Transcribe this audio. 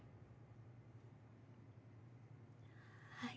はい。